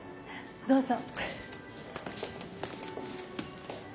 どうぞ。